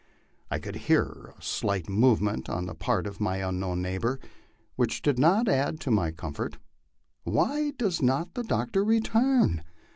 I could hear a slight movement on the part of my unknown neighbor, which did not add to my comfort. Why does not the doctor return